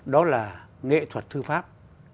đó là nghệ thuật thư pháp